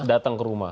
dateng ke rumah